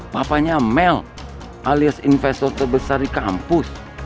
papanya mel alias investor terbesar di kampus